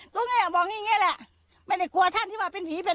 ก็ไม่อยากบอกอย่างเงี้แหละไม่ได้กลัวท่านที่ว่าเป็นผีเป็น